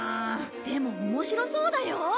でも面白そうだよ！